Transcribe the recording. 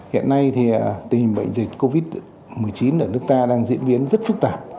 hiện nay thì tình hình bệnh dịch covid một mươi chín ở nước ta đang diễn biến rất phức tạp